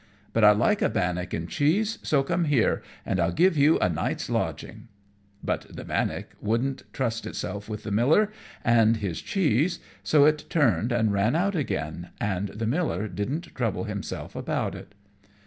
But I like a bannock and cheese, so come here, and I'll give you a night's lodging." But the bannock wouldn't trust itself with the miller and his cheese, so it turned and ran out again, and the miller didn't trouble himself about it.